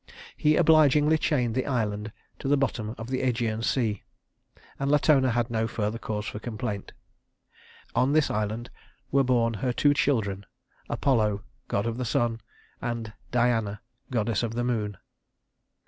He obligingly chained the island to the bottom of the Ægean Sea, and Latona had no further cause for complaint. On this island were born her two children: Apollo, god of the sun, and Diana, goddess of the moon.